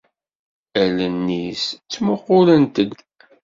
Allen-is ttmuqulent-d.